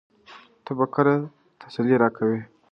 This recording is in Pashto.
ته به کله تسلي راکوې؟